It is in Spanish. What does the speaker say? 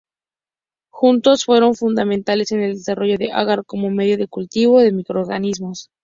Juntos fueron fundamentales en el desarrollo del Agar como medio de cultivo de microorganismos.